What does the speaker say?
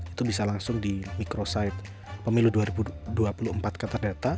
itu bisa langsung di microsite pemilu dua ribu dua puluh empat kata data